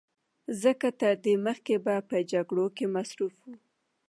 ځکه تر دې مخکې به په جګړو کې مصروف و